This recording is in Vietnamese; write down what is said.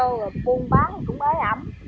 rồi buôn bán cũng bới ẩm